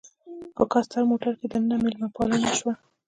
په کاسټر موټر کې دننه میلمه پالنه شوه.